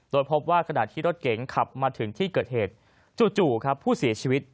โดยพบว่าขณะที่รถเก๋งขับมาถึงที่เกิดเหตุจู่ครับผู้เสียชีวิต